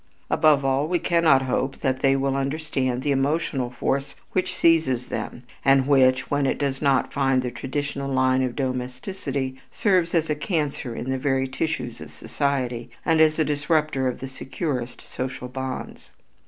Above all we cannot hope that they will understand the emotional force which seizes them and which, when it does not find the traditional line of domesticity, serves as a cancer in the very tissues of society and as a disrupter of the securest social bonds.